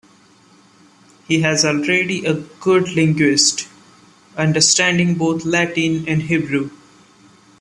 He was already a good linguist, understanding both Latin and Hebrew.